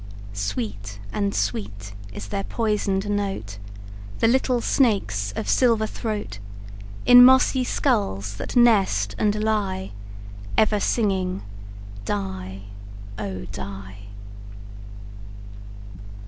Sweet and sweet is their poisoned note, The little snakes' of silver throat, In mossy skulls that nest and lie, Ever singing "die, oh! die."